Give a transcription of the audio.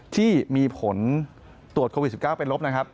ที่มีผลตรวจโควิด๑๙เป็นลบนะครับ